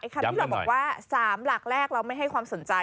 คำที่เราบอกว่า๓หลักแรกเราไม่ให้ความสนใจ